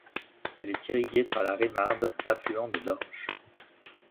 Elle est irriguée par la Rémarde, affluent de l'Orge.